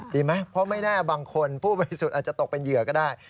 ดีไหมเพราะไม่แน่บางคนผู้บริสุทธิ์อาจจะตกเป็นเหยื่อก็ได้